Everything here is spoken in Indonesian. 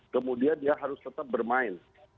kemudian dia harus tetap bermain